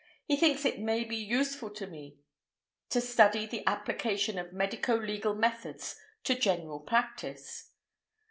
He thinks it may be useful to me to study the application of medico legal methods to general practice."